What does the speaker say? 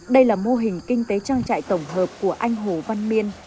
đây là mô hình kinh tế trang trại tổng hợp của anh hồ văn miên